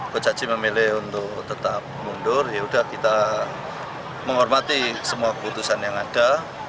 berjanji memilih untuk tetap mundur yaudah kita menghormati semua keputusan yang ada